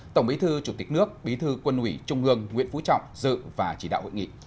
tổng bí thư chủ tịch nước bí thư quân ủy trung ương nguyễn phú trọng dự và chỉ đạo hội nghị